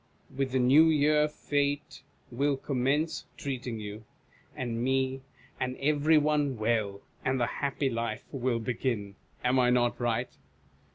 With the New Year Fate will commence treating you, and me, and every one well, and the happy life will begin. Am I not ricjht